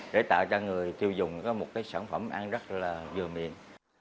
để tạo cho người tiêu dùng có một cái sản phẩm ăn rất là vừa miền